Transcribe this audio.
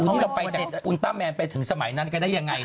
อูนี่เรามีอุลต้าแมนไปถึงสมัยนั้นได้ยังไงนะ